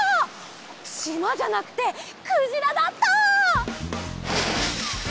しまじゃなくてくじらだった！